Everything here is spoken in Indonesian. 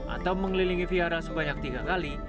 atau mengelilingi vihara sebanyak tiga kali